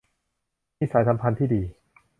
มีสายสัมพันธ์ที่ดี